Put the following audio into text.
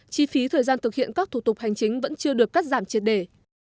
chi phí thời gian thực hiện các thủ tục hành chính vẫn chưa được cắt giảm triệt đề